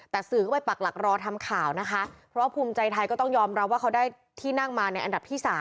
แต่สื่อก็ไปปักหลักรอทำข่าวนะคะเพราะภูมิใจไทยก็ต้องยอมรับว่าเขาได้ที่นั่งมาในอันดับที่๓